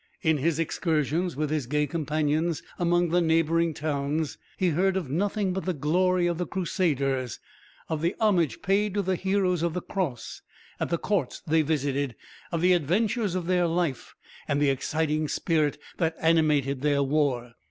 In his excursions with his gay companions among the neighbouring towns he heard of nothing but the glory of the Crusaders, of the homage paid to the heroes of the Cross at the courts they visited, of the adventures of their life, and the exciting spirit that animated their war.